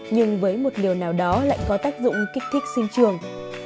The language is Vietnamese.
nhưng với một điều nào đó lại có tác dụng kích thích sinh trường